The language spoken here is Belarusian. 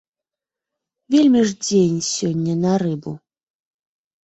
Вельмі ж дзень сёння на рыбу.